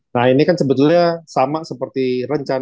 nah ini kan sebetulnya sama seperti rencana dua ribu dua puluh dua